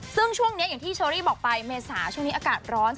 ซึ่งช่วงนี้อย่างที่เชอรี่บอกไปเมษาช่วงนี้อากาศร้อน